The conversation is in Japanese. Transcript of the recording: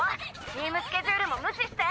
チームスケジュールも無視して！